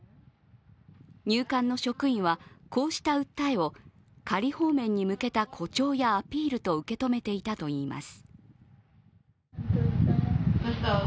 入管の職員は、こうした訴えを仮放免に向けた誇張やアピールと受け止めていたといいます。